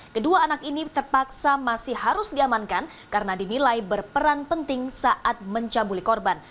kedua anak ini terpaksa masih harus diamankan karena dinilai berperan penting saat mencabuli korban